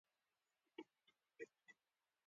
سارا مې زړه له کوګله کښلی دی.